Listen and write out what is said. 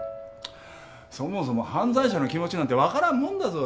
そもそも犯罪者の気持ちなんて分からんもんだぞ。